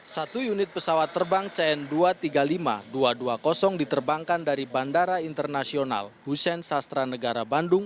satu unit pesawat terbang cn dua ratus tiga puluh lima dua ratus dua puluh diterbangkan dari bandara internasional hussein sastra negara bandung